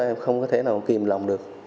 em không thể nào kìm lòng được